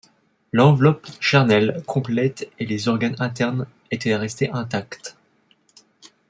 L'enveloppe charnelle complète et les organes internes étaient restés intacts.